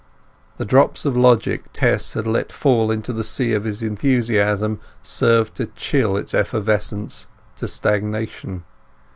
The drops of logic Tess had let fall into the sea of his enthusiasm served to chill its effervescence to stagnation.